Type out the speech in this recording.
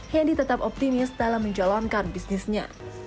hendy tetap optimis dalam menjalankan bisnisnya